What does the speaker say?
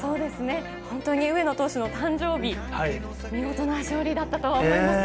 本当に上野投手の誕生日、見事な勝利だったと思います。